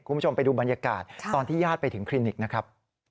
คุณผู้ชมไปดูบรรยากาศตอนที่ญาติไปถึงคลินิกนะครับ